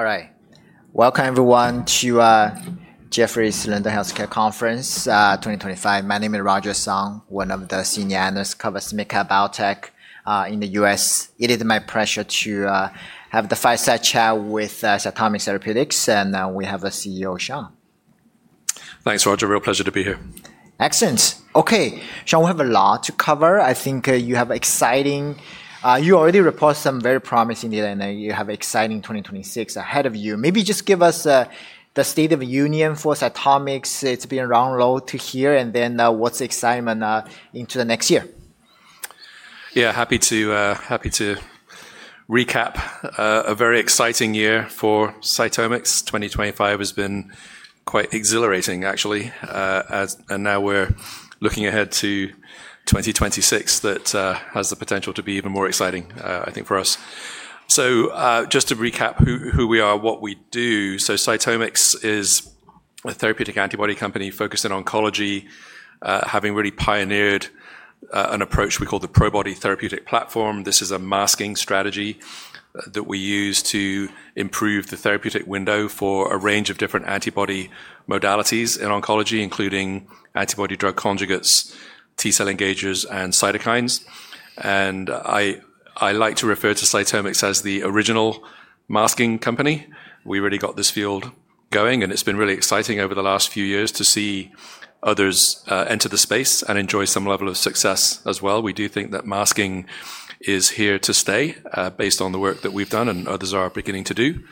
All right. Welcome, everyone, to Jefferies Lending Healthcare Conference, 2025. My name is Roger Song, one of the senior analysts covering MedTech Biotech, in the U.S. It is my pleasure to have the fireside chat with CytomX Therapeutics, and we have the CEO, Sean. Thanks, Roger. Real pleasure to be here. Excellent. Okay, Sean, we have a lot to cover. I think you have exciting—you already reported some very promising data, and then you have exciting 2026 ahead of you. Maybe just give us the state of the union for CytomX. It's been a long road to here, and then, what's the excitement, into the next year? Yeah, happy to, happy to recap, a very exciting year for CytomX. 2025 has been quite exhilarating, actually, as—now we're looking ahead to 2026 that has the potential to be even more exciting, I think, for us. Just to recap who, who we are, what we do. CytomX is a therapeutic antibody company focused on oncology, having really pioneered an approach we call the Probody therapeutic platform. This is a masking strategy that we use to improve the therapeutic window for a range of different antibody modalities in oncology, including antibody-drug conjugates, T-cell engagers, and cytokines. I like to refer to CytomX as the original masking company. We really got this field going, and it's been really exciting over the last few years to see others enter the space and enjoy some level of success as well. We do think that masking is here to stay, based on the work that we've done and others are beginning to do.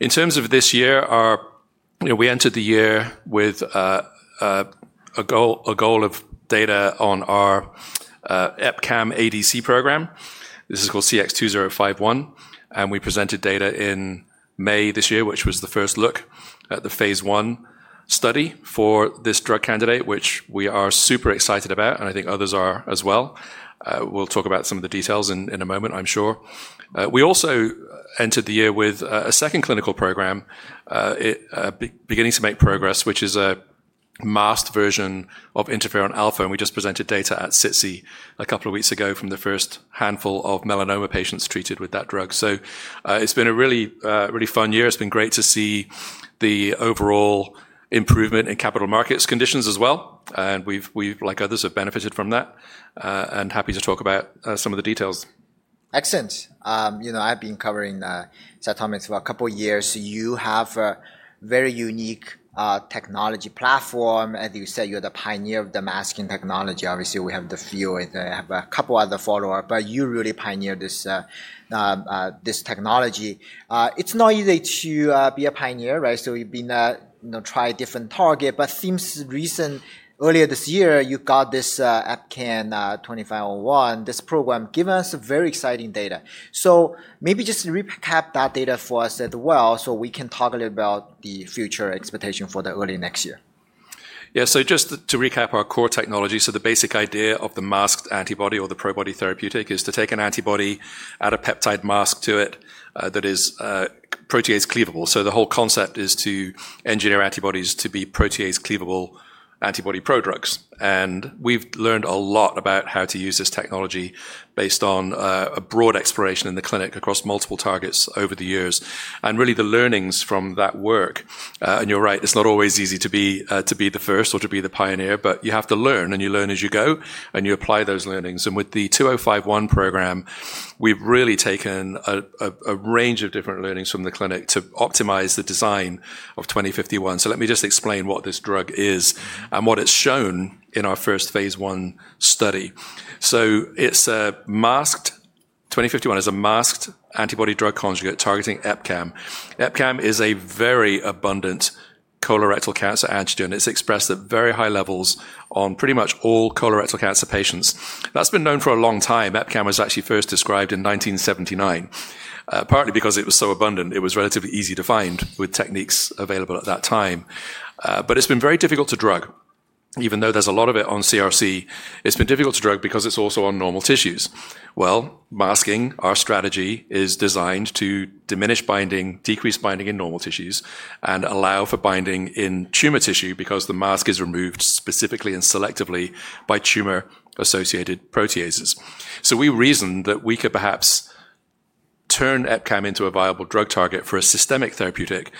In terms of this year, we entered the year with a goal, a goal of data on our EpCAM ADC program. This is called CX-2051, and we presented data in May this year, which was the first look at the phase one study for this drug candidate, which we are super excited about, and I think others are as well. We'll talk about some of the details in a moment, I'm sure. We also entered the year with a second clinical program, beginning to make progress, which is a masked version of interferon alpha, and we just presented data at CITSI a couple of weeks ago from the first handful of melanoma patients treated with that drug. It has been a really, really fun year. It's been great to see the overall improvement in capital markets conditions as well, and we've, like others, have benefited from that, and happy to talk about some of the details. Excellent. You know, I've been covering CytomX for a couple of years. You have a very unique technology platform, and you said you're the pioneer of the masking technology. Obviously, we have the field, and I have a couple other followers, but you really pioneered this, this technology. It's not easy to be a pioneer, right? You know, you've been trying different targets, but since recent, earlier this year, you got this EpCAM 2051, this program, giving us very exciting data. Maybe just recap that data for us as well, so we can talk a little about the future expectation for the early next year. Yeah, just to recap our core technology, the basic idea of the masked antibody or the Probody therapeutic is to take an antibody, add a peptide mask to it that is protease cleavable. The whole concept is to engineer antibodies to be protease cleavable antibody prodrugs. We've learned a lot about how to use this technology based on a broad exploration in the clinic across multiple targets over the years. Really, the learnings from that work, and you're right, it's not always easy to be the first or to be the pioneer, but you have to learn, and you learn as you go, and you apply those learnings. With the 2051 program, we've really taken a range of different learnings from the clinic to optimize the design of 2051. Let me just explain what this drug is and what it's shown in our first phase one study. It's a masked 2051, is a masked antibody-drug conjugate targeting EpCAM. EpCAM is a very abundant colorectal cancer antigen. It's expressed at very high levels on pretty much all colorectal cancer patients. That's been known for a long time. EpCAM was actually first described in 1979, partly because it was so abundant. It was relatively easy to find with techniques available at that time. It's been very difficult to drug. Even though there's a lot of it on CRC, it's been difficult to drug because it's also on normal tissues. Masking, our strategy is designed to diminish binding, decrease binding in normal tissues, and allow for binding in tumor tissue because the mask is removed specifically and selectively by tumor-associated proteases. We reasoned that we could perhaps turn EpCAM into a viable drug target for a systemic therapeutic,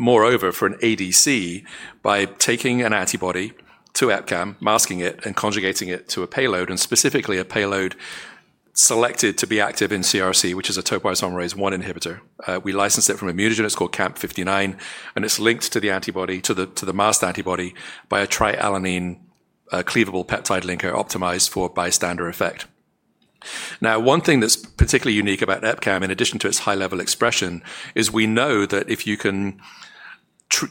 moreover for an ADC, by taking an antibody to EpCAM, masking it, and conjugating it to a payload, and specifically a payload selected to be active in CRC, which is a topoisomerase I inhibitor. We license it from ImmunoGen, that's called CAMP59, and it's linked to the antibody, to the masked antibody by a trialanine, cleavable peptide linker optimized for bystander effect. Now, one thing that's particularly unique about EpCAM, in addition to its high-level expression, is we know that if you can,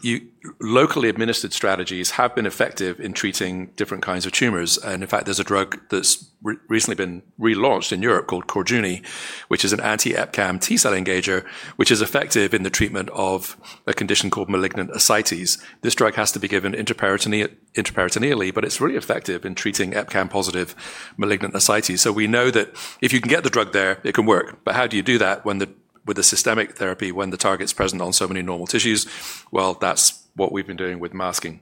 you know, locally administered strategies have been effective in treating different kinds of tumors. In fact, there's a drug that's recently been relaunched in Europe called Catumaxomab, which is an anti-EpCAM T-cell engager, which is effective in the treatment of a condition called malignant ascites. This drug has to be given intraperitoneally, but it's really effective in treating EpCAM-positive malignant ascites. We know that if you can get the drug there, it can work. How do you do that with the systemic therapy, when the target's present on so many normal tissues? That's what we've been doing with masking.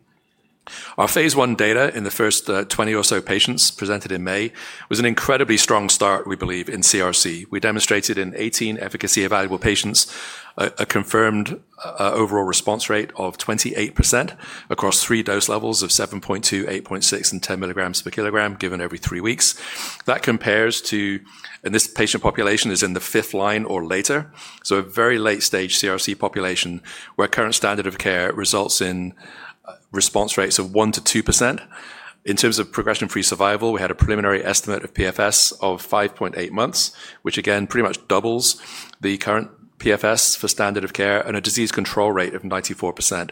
Our phase one data in the first 20 or so patients presented in May was an incredibly strong start, we believe, in CRC. We demonstrated in 18 efficacy-available patients, a confirmed overall response rate of 28% across three dose levels of 7.2, 8.6, and 10 milligrams per kilogram given every three weeks. That compares to, and this patient population is in the fifth line or later. A very late-stage CRC population where current standard of care results in response rates of 1-2%. In terms of progression-free survival, we had a preliminary estimate of PFS of 5.8 months, which again pretty much doubles the current PFS for standard of care and a disease control rate of 94%.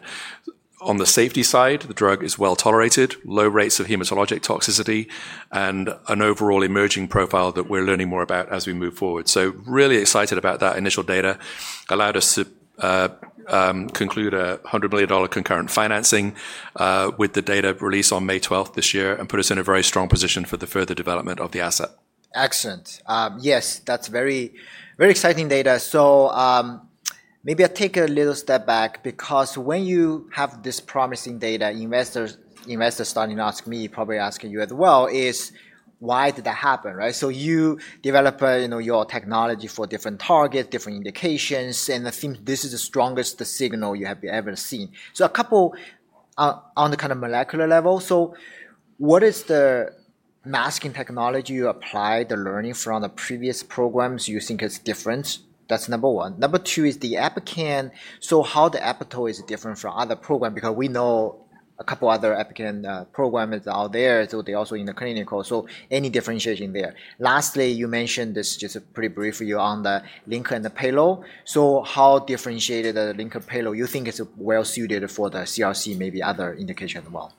On the safety side, the drug is well tolerated, low rates of hematologic toxicity, and an overall emerging profile that we're learning more about as we move forward. Really excited about that initial data allowed us to conclude a $100 million concurrent financing, with the data released on May 12th this year and put us in a very strong position for the further development of the asset. Excellent. Yes, that's very, very exciting data. Maybe I take a little step back because when you have this promising data, investors, investors starting to ask me, probably asking you as well, is why did that happen, right? You develop, you know, your technology for different targets, different indications, and I think this is the strongest signal you have ever seen. A couple on, on the kind of molecular level. What is the masking technology you apply, the learning from the previous programs you think is different? That's number one. Number two is the EpCAM. How the EpCAM is different from other programs? Because we know a couple other EpCAM programs out there, so they're also in the clinical. Any differentiation there? Lastly, you mentioned this just pretty briefly on the linker and the payload. How differentiated the linker payload you think is well suited for the CRC, maybe other indication as well?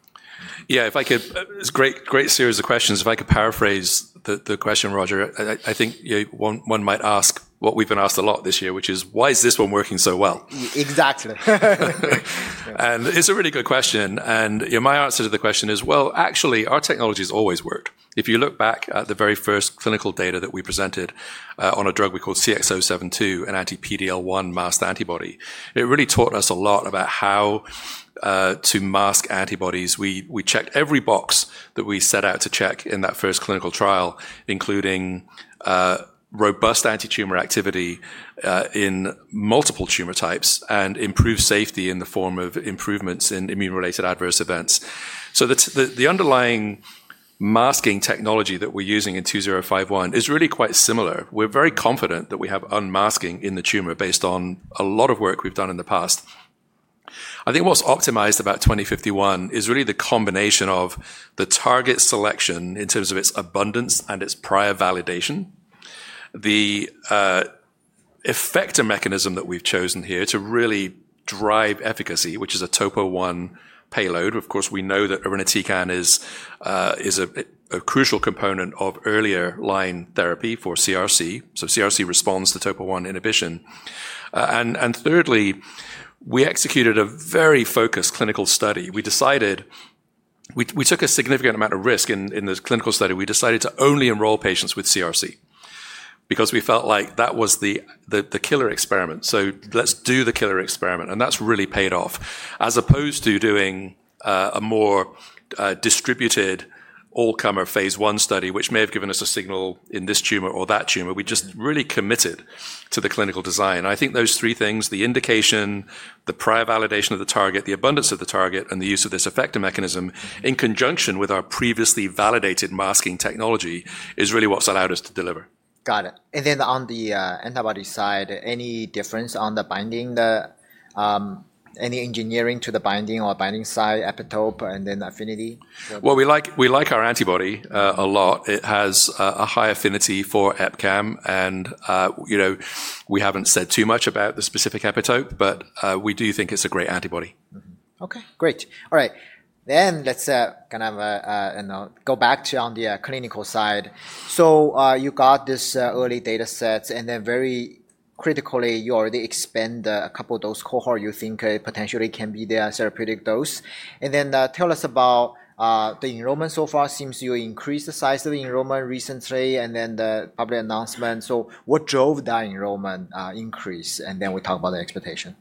Yeah, if I could, it's a great, great series of questions. If I could paraphrase the question, Roger, I think, you know, one might ask what we've been asked a lot this year, which is, why is this one working so well? Exactly. It's a really good question. You know, my answer to the question is, actually, our technologies always work. If you look back at the very first clinical data that we presented, on a drug we called CX-072, an anti-PD-L1 masked antibody, it really taught us a lot about how to mask antibodies. We checked every box that we set out to check in that first clinical trial, including robust anti-tumor activity in multiple tumor types and improved safety in the form of improvements in immune-related adverse events. The underlying masking technology that we're using in 2051 is really quite similar. We're very confident that we have unmasking in the tumor based on a lot of work we've done in the past. I think what's optimized about 2051 is really the combination of the target selection in terms of its abundance and its prior validation. The effector mechanism that we've chosen here to really drive efficacy, which is a topo I payload. Of course, we know that irinotecan is a crucial component of earlier line therapy for CRC. CRC responds to topo I inhibition. And thirdly, we executed a very focused clinical study. We decided, we took a significant amount of risk in this clinical study. We decided to only enroll patients with CRC because we felt like that was the killer experiment. Let's do the killer experiment. That has really paid off. As opposed to doing a more distributed all-comer phase one study, which may have given us a signal in this tumor or that tumor, we just really committed to the clinical design. I think those three things, the indication, the prior validation of the target, the abundance of the target, and the use of this effector mechanism in conjunction with our previously validated masking technology is really what's allowed us to deliver. Got it. On the antibody side, any difference on the binding, any engineering to the binding or binding site, epitope, and then affinity? We like, we like our antibody, a lot. It has a high affinity for EpCAM and, you know, we haven't said too much about the specific epitope, but we do think it's a great antibody. Okay, great. All right. Let's, kind of, you know, go back to on the clinical side. You got this early data sets and then very critically, you already expend a couple of those cohorts you think potentially can be the therapeutic dose. Tell us about the enrollment so far. Seems you increased the size of the enrollment recently and then the public announcement. What drove that enrollment increase? We talk about the expectation.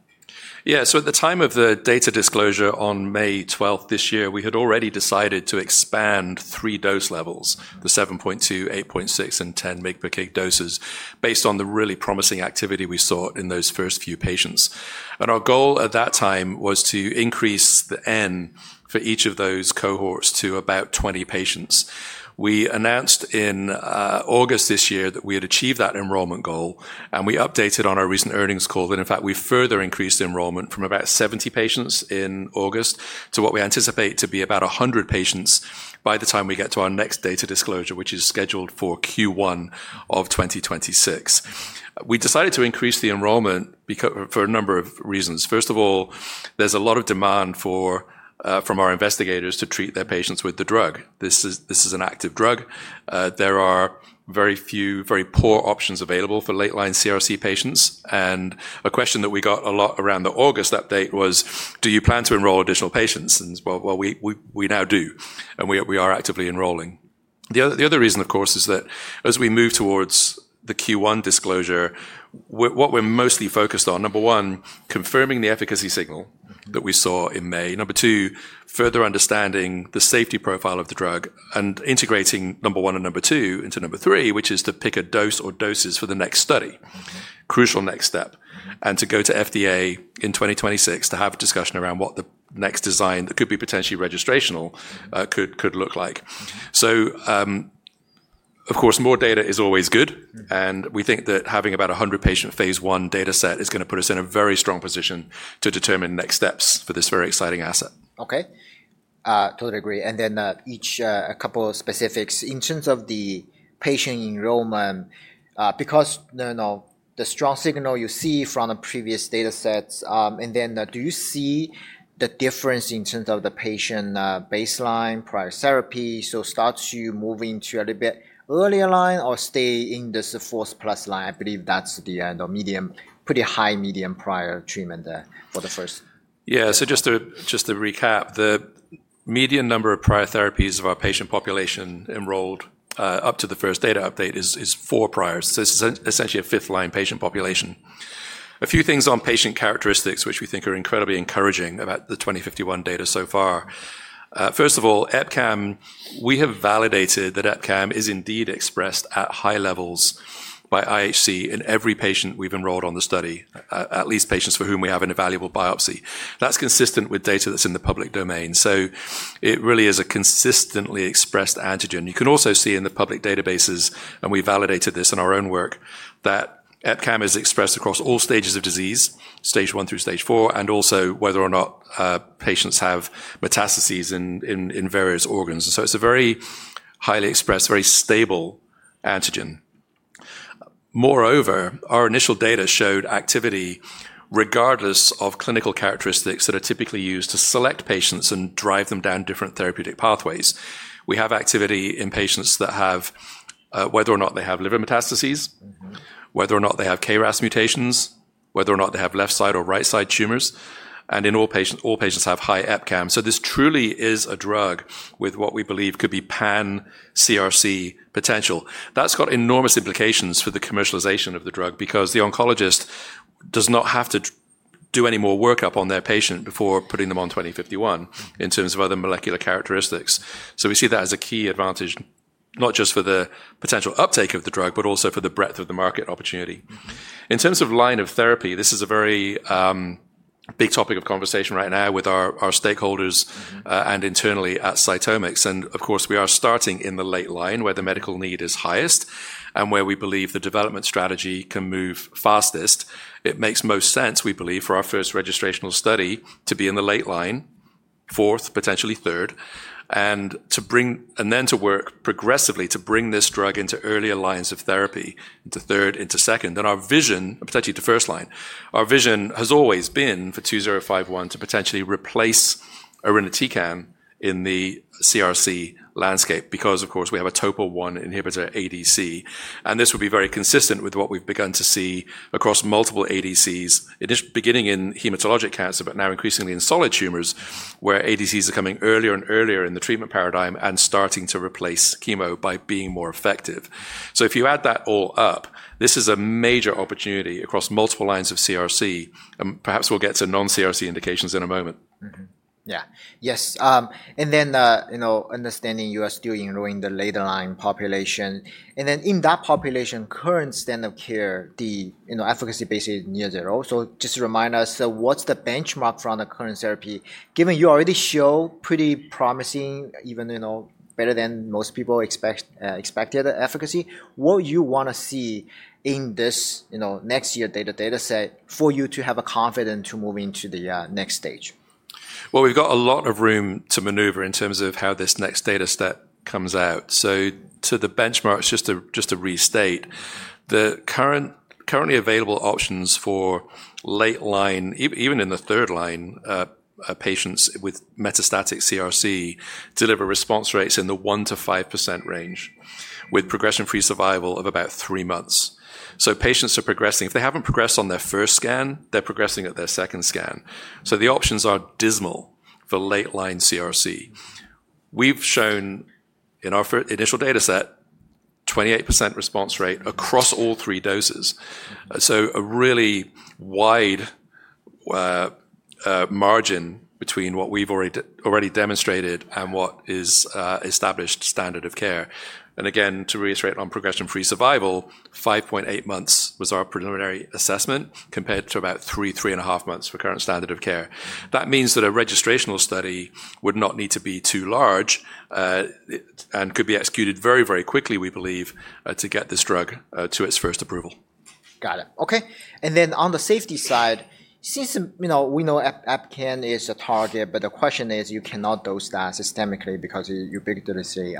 Yeah, at the time of the data disclosure on May 12th this year, we had already decided to expand three dose levels, the 7.2, 8.6, and 10 megapac doses, based on the really promising activity we saw in those first few patients. Our goal at that time was to increase the N for each of those cohorts to about 20 patients. We announced in August this year that we had achieved that enrollment goal, and we updated on our recent earnings call. In fact, we further increased enrollment from about 70 patients in August to what we anticipate to be about 100 patients by the time we get to our next data disclosure, which is scheduled for Q1 of 2026. We decided to increase the enrollment because for a number of reasons. First of all, there's a lot of demand from our investigators to treat their patients with the drug. This is, this is an active drug. There are very few, very poor options available for late-line CRC patients. A question that we got a lot around the August update was, do you plan to enroll additional patients? We now do, and we are actively enrolling. The other reason, of course, is that as we move towards the Q1 disclosure, what we're mostly focused on, number one, confirming the efficacy signal that we saw in May. Number two, further understanding the safety profile of the drug and integrating number one and number two into number three, which is to pick a dose or doses for the next study, crucial next step, and to go to FDA in 2026 to have a discussion around what the next design that could be potentially registrational could look like. Of course, more data is always good, and we think that having about 100 patient phase one data set is going to put us in a very strong position to determine next steps for this very exciting asset. Okay. Totally agree. Each, a couple of specifics in terms of the patient enrollment, because you know the strong signal you see from the previous data sets, and do you see the difference in terms of the patient, baseline prior therapy? Starts you moving to a little bit earlier line or stay in this fourth plus line? I believe that's the medium, pretty high medium prior treatment there for the first. Yeah, so just to recap, the median number of prior therapies of our patient population enrolled, up to the first data update, is four priors. So it's essentially a fifth line patient population. A few things on patient characteristics, which we think are incredibly encouraging about the 2051 data so far. First of all, EpCAM, we have validated that EpCAM is indeed expressed at high levels by IHC in every patient we've enrolled on the study, at least patients for whom we have an evaluable biopsy. That's consistent with data that's in the public domain. It really is a consistently expressed antigen. You can also see in the public databases, and we validated this in our own work, that EpCAM is expressed across all stages of disease, stage one through stage four, and also whether or not patients have metastases in various organs. It is a very highly expressed, very stable antigen. Moreover, our initial data showed activity regardless of clinical characteristics that are typically used to select patients and drive them down different therapeutic pathways. We have activity in patients that have, whether or not they have liver metastases, whether or not they have KRAS mutations, whether or not they have left side or right side tumors, and in all patients, all patients have high EpCAM. This truly is a drug with what we believe could be pan-CRC potential. That has enormous implications for the commercialization of the drug because the oncologist does not have to do any more workup on their patient before putting them on 2051 in terms of other molecular characteristics. We see that as a key advantage, not just for the potential uptake of the drug, but also for the breadth of the market opportunity. In terms of line of therapy, this is a very big topic of conversation right now with our stakeholders, and internally at CytomX. Of course, we are starting in the late line where the medical need is highest and where we believe the development strategy can move fastest. It makes most sense, we believe, for our first registrational study to be in the late line, fourth, potentially third, and to work progressively to bring this drug into earlier lines of therapy, into third, into second. Our vision, potentially to first line, our vision has always been for 2051 to potentially replace irinotecan in the CRC landscape because, of course, we have a topo I inhibitor ADC. This would be very consistent with what we've begun to see across multiple ADCs, initially beginning in hematologic cancer, but now increasingly in solid tumors where ADCs are coming earlier and earlier in the treatment paradigm and starting to replace chemo by being more effective. If you add that all up, this is a major opportunity across multiple lines of CRC, and perhaps we'll get to non-CRC indications in a moment. Yeah. Yes. And then, you know, understanding you are still enrolling the later line population. And then in that population, current standard of care, the, you know, efficacy basically near zero. So just to remind us, so what's the benchmark from the current therapy given you already show pretty promising, even, you know, better than most people expect, expected efficacy? What do you want to see in this, you know, next year data set for you to have a confidence to move into the, next stage? We've got a lot of room to maneuver in terms of how this next data set comes out. To the benchmark, just to restate, the currently available options for late line, even in the third line, patients with metastatic CRC deliver response rates in the 1%-5% range with progression-free survival of about three months. Patients are progressing. If they haven't progressed on their first scan, they're progressing at their second scan. The options are dismal for late line CRC. We've shown in our initial data set 28% response rate across all three doses. A really wide margin between what we've already demonstrated and what is established standard of care. Again, to reiterate on progression-free survival, 5.8 months was our preliminary assessment compared to about three, three and a half months for current standard of care. That means that a registrational study would not need to be too large, and could be executed very, very quickly, we believe, to get this drug to its first approval. Got it. Okay. And then on the safety side, since you know, we know EpCAM is a target, but the question is you cannot dose that systemically because you picked to say,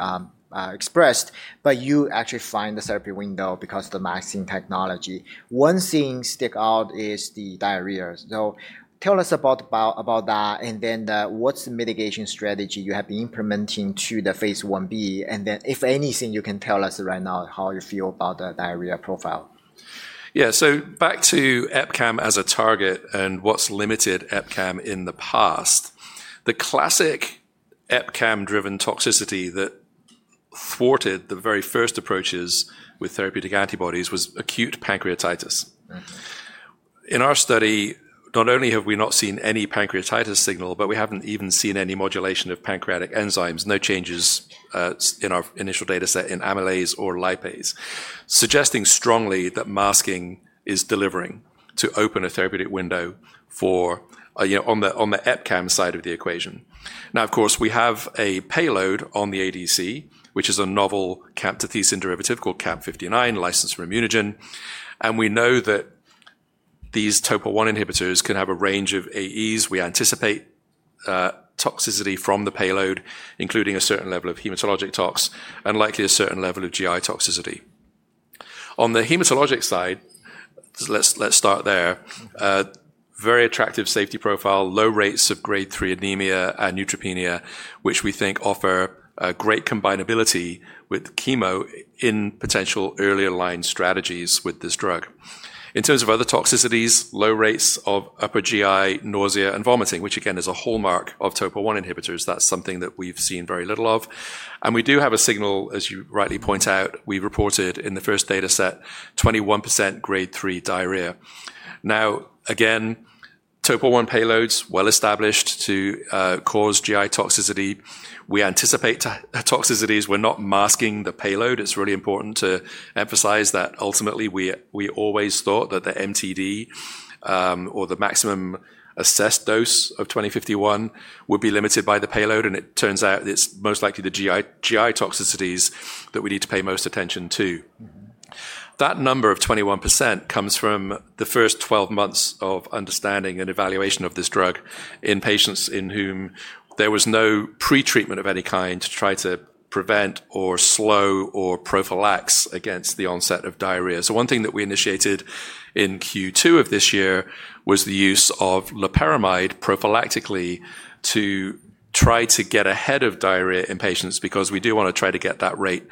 expressed, but you actually find the therapy window because of the masking technology. One thing stick out is the diarrhea. Tell us about that. And then what's the mitigation strategy you have been implementing to the phase one B? If anything, you can tell us right now how you feel about the diarrhea profile. Yeah. Back to EpCAM as a target and what's limited EpCAM in the past, the classic EpCAM-driven toxicity that thwarted the very first approaches with therapeutic antibodies was acute pancreatitis. In our study, not only have we not seen any pancreatitis signal, but we haven't even seen any modulation of pancreatic enzymes, no changes, in our initial data set in amylase or lipase, suggesting strongly that masking is delivering to open a therapeutic window for, you know, on the EpCAM side of the equation. Now, of course, we have a payload on the ADC, which is a novel camptothecin derivative called CAMP59 licensed from ImmunoGen. And we know that these topo I inhibitors can have a range of AEs. We anticipate toxicity from the payload, including a certain level of hematologic tox and likely a certain level of GI toxicity. On the hematologic side, let's start there. Very attractive safety profile, low rates of grade three anemia and neutropenia, which we think offer a great combinability with chemo in potential earlier line strategies with this drug. In terms of other toxicities, low rates of upper GI nausea and vomiting, which again is a hallmark of topo I inhibitors. That's something that we've seen very little of. We do have a signal, as you rightly point out, we've reported in the first data set, 21% grade three diarrhea. Now, again, topo I payloads well established to cause GI toxicity. We anticipate toxicities. We're not masking the payload. It's really important to emphasize that ultimately we always thought that the MTD, or the maximum assessed dose of 2051, would be limited by the payload. It turns out it's most likely the GI, GI toxicities that we need to pay most attention to. That number of 21% comes from the first 12 months of understanding and evaluation of this drug in patients in whom there was no pretreatment of any kind to try to prevent or slow or prophylax against the onset of diarrhea. One thing that we initiated in Q2 of this year was the use of loperamide prophylactically to try to get ahead of diarrhea in patients because we do want to try to get that rate,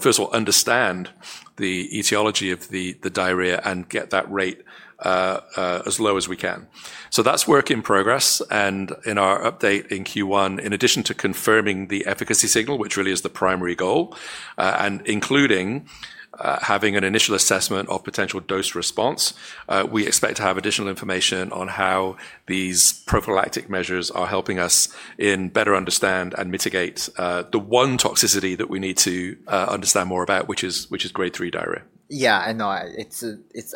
first of all, understand the etiology of the, the diarrhea and get that rate as low as we can. That's work in progress. In our update in Q1, in addition to confirming the efficacy signal, which really is the primary goal, and including having an initial assessment or potential dose response, we expect to have additional information on how these prophylactic measures are helping us better understand and mitigate the one toxicity that we need to understand more about, which is grade three diarrhea. Yeah. I know it's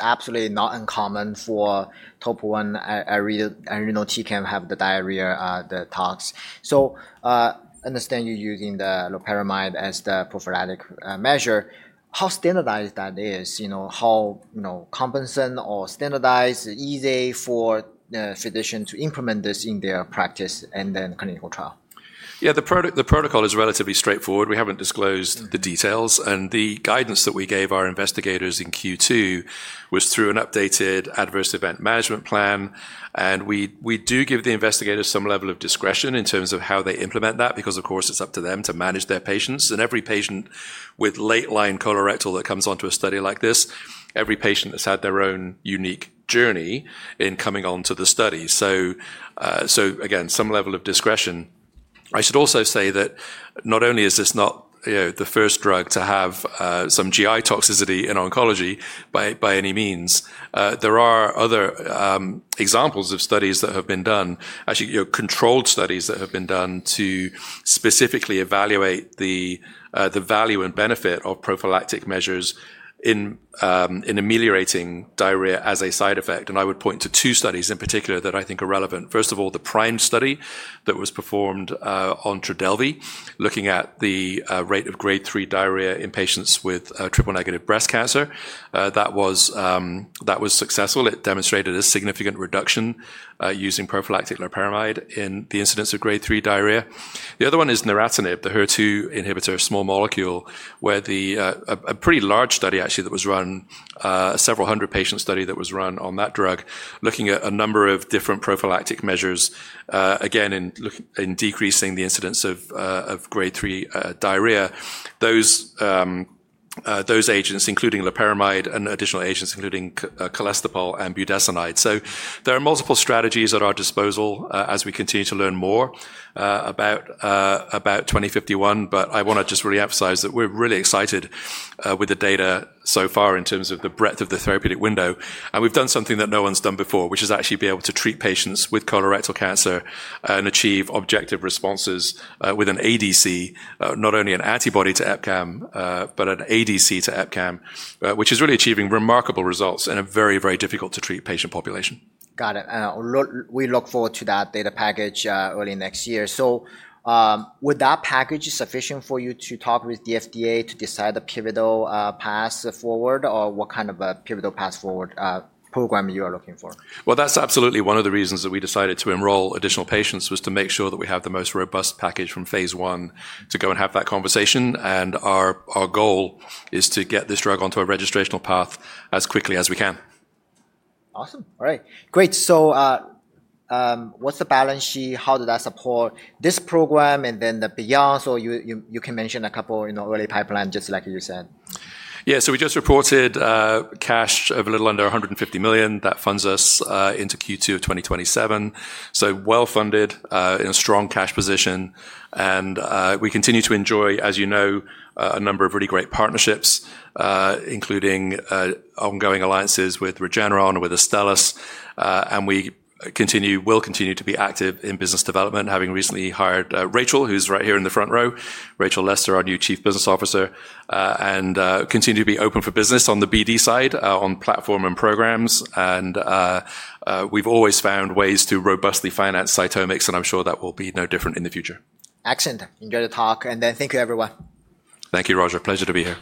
absolutely not uncommon for topo I ADCs to have the diarrhea, the tox. You know, understand you're using the loperamide as the prophylactic measure. How standardized that is, you know, how, you know, compensant or standardized, easy for the physician to implement this in their practice and then clinical trial. Yeah, the protocol is relatively straightforward. We haven't disclosed the details. The guidance that we gave our investigators in Q2 was through an updated adverse event management plan. We do give the investigators some level of discretion in terms of how they implement that because, of course, it's up to them to manage their patients. Every patient with late line colorectal that comes onto a study like this, every patient has had their own unique journey in coming onto the study. Again, some level of discretion. I should also say that not only is this not, you know, the first drug to have, some GI toxicity in oncology, by any means, there are other, examples of studies that have been done, actually, you know, controlled studies that have been done to specifically evaluate the, the value and benefit of prophylactic measures in, in ameliorating diarrhea as a side effect. I would point to two studies in particular that I think are relevant. First of all, the prime study that was performed, on Trodelvy, looking at the, rate of grade three diarrhea in patients with, triple negative breast cancer, that was, that was successful. It demonstrated a significant reduction, using prophylactic loperamide in the incidence of grade three diarrhea. The other one is neratinib, the HER2 inhibitor small molecule, where a pretty large study actually that was run, several hundred patient study that was run on that drug, looking at a number of different prophylactic measures, again, in looking in decreasing the incidence of grade three diarrhea, those agents, including loperamide and additional agents, including colestipol and budesonide. There are multiple strategies at our disposal, as we continue to learn more about 2051. I want to just really emphasize that we're really excited, with the data so far in terms of the breadth of the therapeutic window. We've done something that no one's done before, which is actually be able to treat patients with colorectal cancer and achieve objective responses, with an ADC, not only an antibody to EpCAM, but an ADC to EpCAM, which is really achieving remarkable results in a very, very difficult to treat patient population. Got it. We look forward to that data package early next year. Would that package be sufficient for you to talk with the FDA to decide the pivotal path forward or what kind of a pivotal path forward program you are looking for? That's absolutely one of the reasons that we decided to enroll additional patients was to make sure that we have the most robust package from phase one to go and have that conversation. Our goal is to get this drug onto a registrational path as quickly as we can. Awesome. All right. Great. What's the balance sheet? How does that support this program and then the beyond? You can mention a couple, you know, early pipeline, just like you said. Yeah. We just reported cash of a little under $150 million that funds us into Q2 of 2027. So well funded, in a strong cash position. We continue to enjoy, as you know, a number of really great partnerships, including ongoing alliances with Regeneron and with Astellas. We continue, will continue to be active in business development, having recently hired Rachel, who's right here in the front row, Rachael Lester, our new Chief Business Officer, and continue to be open for business on the BD side, on platform and programs. We've always found ways to robustly finance CytomX, and I'm sure that will be no different in the future. Excellent. Enjoy the talk. Thank you, everyone. Thank you, Roger. Pleasure to be here.